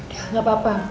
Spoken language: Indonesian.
yaudah gak apa apa